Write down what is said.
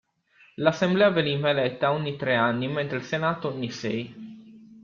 L'Assemblea veniva eletta ogni tre anni mentre il Senato ogni sei.